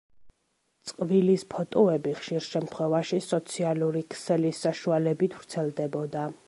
წყვილის ფოტოები ხშირ შემთხვევაში სოციალური ქსელის საშუალებით ვრცელდებოდა.